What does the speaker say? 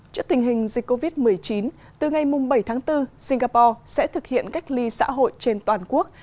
trước tình hình dịch covid một mươi chín từ ngày bảy tháng bốn singapore sẽ thực hiện cách ly xã hội trên toàn quốc